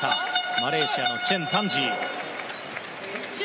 マレーシアのチェン・タンジー。